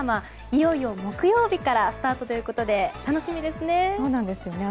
いよいよ木曜日からスタートということで楽しみですよね。